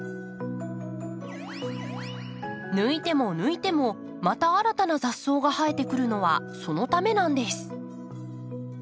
抜いても抜いてもまた新たな雑草が生えてくるのはそのためなんです。